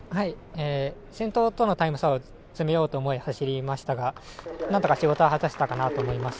先頭とのタイム差を詰めようと思い走りましたがなんとか仕事は果たせたかなと思います。